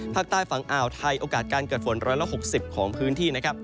ภาคใต้ฝั่งอ่าวไทยโอกาสการเกิดฝน๑๖๐ของพื้นที่นะครับ